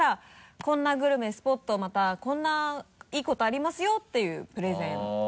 「こんなグルメスポットまたこんないいことありますよ」っていうプレゼン。